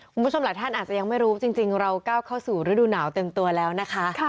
คุณผู้ชมหลายท่านอาจจะยังไม่รู้จริงเราก้าวเข้าสู่ฤดูหนาวเต็มตัวแล้วนะคะ